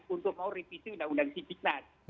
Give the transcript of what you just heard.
untuk mau revisi undang undang sidiknas